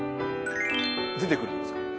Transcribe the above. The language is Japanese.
出てくるんですか？